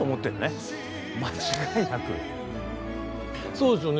そうですよね。